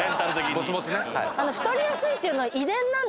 「ボツボツ」ね。